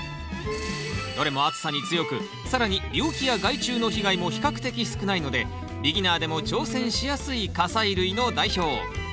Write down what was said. どれも暑さに強く更に病気や害虫の被害も比較的少ないのでビギナーでも挑戦しやすい果菜類の代表。